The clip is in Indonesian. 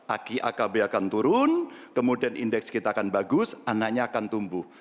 aki akabia akan turun kemudian indeks kita akan bagus anaknya akan tumbuh